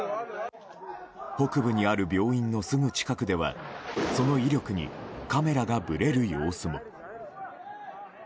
北部にある病院のすぐ近くではその威力にカメラがぶれる様子も。